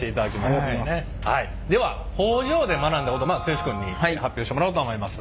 では工場で学んだこと剛君に発表してもらおうと思います。